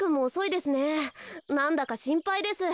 なんだかしんぱいです。